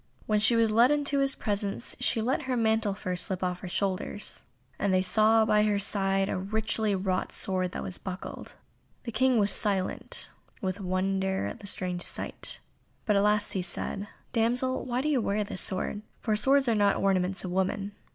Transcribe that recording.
When she was led into his presence she let her mantle of fur slip off her shoulders, and they saw that by her side a richly wrought sword was buckled. The King was silent with wonder at the strange sight, but at last he said, "Damsel, why do you wear this sword? for swords are not the ornaments of women."